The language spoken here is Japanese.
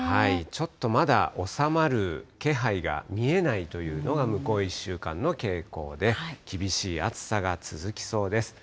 ちょっとまだ収まる気配が見えないというのが、向こう１週間の傾向で、厳しい暑さが続きそうです。